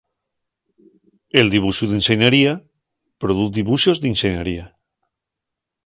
El dibuxu d'inxeniería produz dibuxos d'inxeniería.